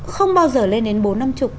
không bao giờ lên đến bốn năm chục